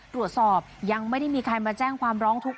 ยังไม่ได้มีใครมาแจ้งความร้องทุกข